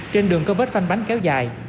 trên đường có vết phanh bánh kéo dài